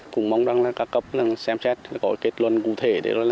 cũng mong các cấp xem xét có kết luận cụ thể